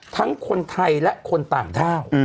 ทั้งคนไทยและคนต่างด้าว